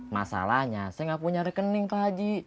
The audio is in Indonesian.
masalahnya saya nggak punya rekening pak haji